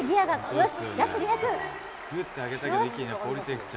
よし！